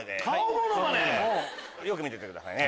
よく見ててください。